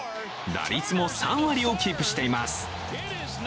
打率も３割をキープしています。